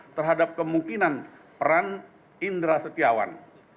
terhadap kemungkinan peran indra setiawan